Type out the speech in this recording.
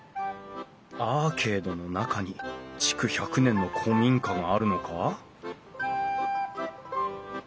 アーケードの中に築１００年の古民家があるのか？